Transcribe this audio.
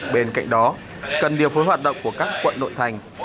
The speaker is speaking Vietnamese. bên cạnh đó cần điều phối hoạt động của các quận nội thành